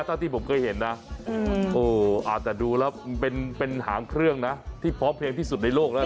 เท่าที่ผมเคยเห็นนะแต่ดูแล้วเป็นหางเครื่องนะที่พร้อมเพลงที่สุดในโลกแล้ว